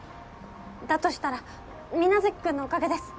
だとしたら皆月君のおかげです。